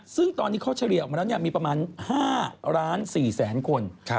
ซึ่งตอนนี้เขาเฉลี่ยออกมาแล้วเนี่ยมีประมาณ๕ล้าน๔แสนคน